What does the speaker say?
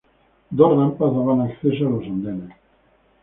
Dos rampas daban acceso a los andenes.